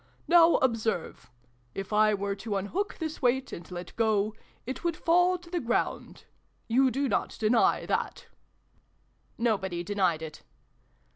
Now observe. If I were to un hook this weight, and let go, it would fall to the ground. You do not deny that ?" Nobody denied it.